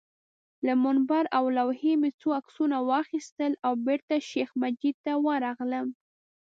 له منبر او لوحې مې څو عکسونه واخیستل او بېرته شیخ مجید ته ورغلم.